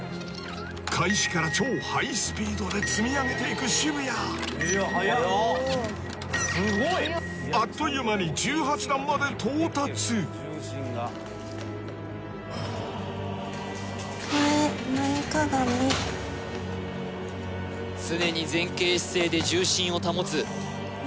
開始から超ハイスピードで積み上げていく渋谷あっという間に１８段まで到達常に前傾姿勢で重心を保つ前かがみ